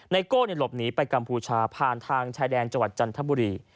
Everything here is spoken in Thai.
โก้หลบหนีไปกัมพูชาผ่านทางชายแดนจังหวัดจันทบุรี